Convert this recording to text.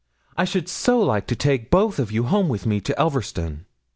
I should so like to take you both home with me to Elverston.'